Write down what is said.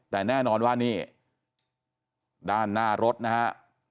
แต่แน่นอนว่านี่ด้านหน้ารถนะฮะ